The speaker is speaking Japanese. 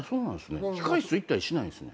控室行ったりしないんすね。